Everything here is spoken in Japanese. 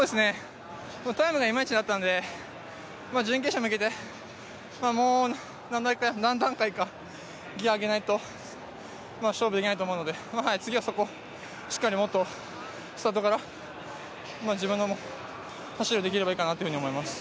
タイムがイマイチだったんで、準決勝に向けてもう何段階かギア上げないと勝負できないと思うので、しっかりそこ、次はもっとスタートから自分の走りをできればいいかなというふうに思います。